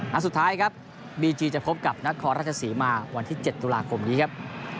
นัดสุดท้ายครับบีจีจะพบกับนครราชศรีมาวันที่๗ตุลาคมนี้ครับ